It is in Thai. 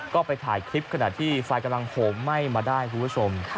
ก็ไปถ่ายคลิปขณะที่ไฟกำลังโหมไหม้มาได้คุณผู้ชม